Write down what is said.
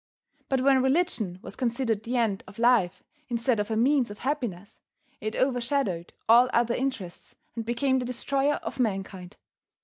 But when religion was considered the end of life instead of a means of happiness, it overshadowed all other interests and became the destroyer of mankind.